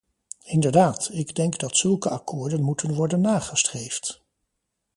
Inderdaad, ik denk dat zulke akkoorden moeten worden nagestreefd.